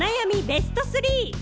ベスト３！